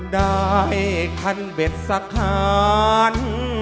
ได้คันเบ็ดสะขาน